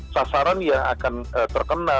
sasaran yang akan terkena